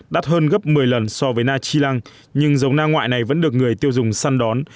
đắt hơn gấp một mươi lần so với na chi lăng nhưng giống na ngoại này vẫn được người tiêu dùng săn đón